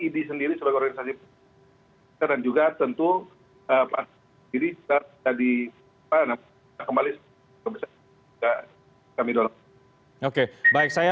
dan juga tentu pak terawan sendiri bisa kembali ke besar juga kami doang